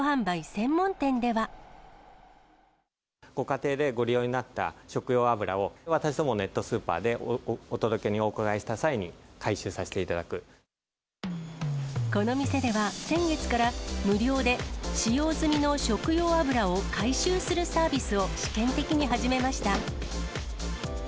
専門店ご家庭でご利用になった食用油を、私どものネットスーパーで、お届けにお伺いした際に回収させこの店では先月から、無料で使用済みの食用油を回収するサービスを、試験的に始めました。